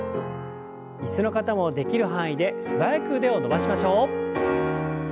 椅子の方もできる範囲で素早く腕を伸ばしましょう。